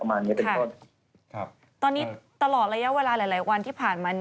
ครับตอนนี้ตลอดระยะเวลาหลายวันที่ผ่านมา